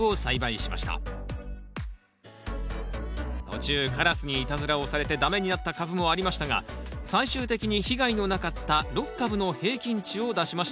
途中カラスにいたずらをされて駄目になった株もありましたが最終的に被害のなかった６株の平均値を出しました。